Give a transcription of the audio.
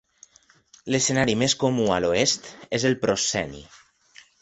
L'escenari més comú a l'oest és el prosceni.